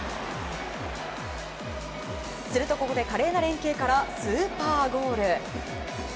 するとここで華麗な連係からスーパーゴール。